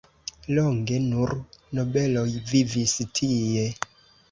Longe nur nobeloj vivis tie.